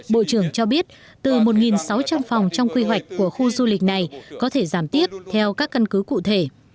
bộ trưởng cho biết từ một sáu trăm linh phòng trong quy hoạch của khu du lịch này có thể giảm tiếp theo các căn cứ cụ thể